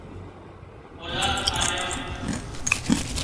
اولاد آليان